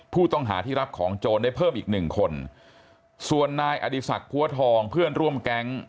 ผู้ต้องหาที่รับของโจรได้เพิ่มอีกหนึ่งคนส่วนนายอดีศักดิ์พัวทองเพื่อนร่วมแก๊ง